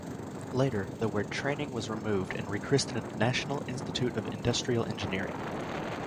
Later, the word 'Training' was removed and was rechristened 'National Institute of Industrial Engineering'.